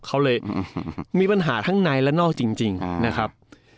เขาเลยมีปัญหาทั้งในและนอกจริงนะครับ